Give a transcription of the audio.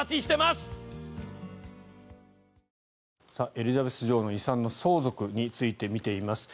エリザベス女王の遺産の相続について見ています。